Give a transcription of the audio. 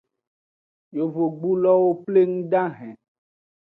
Yovogbulowo pleng dahen.